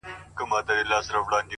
اوس يــې آهـونـــه په واوښتـل ـ